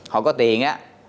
họ có tiền á